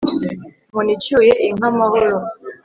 nkoni icyuye inka amahoro.